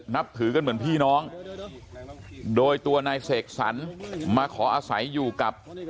นับถือกันเหมือนพี่น้องโดยตัวนายเสกสรรมาขออาศัยอยู่กับ